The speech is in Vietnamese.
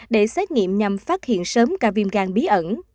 để xét nghiệm nhằm phát hiện sớm ca viêm gan bí ẩn